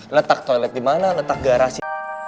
letak toilet dimana letak garasi